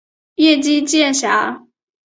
叶基渐狭。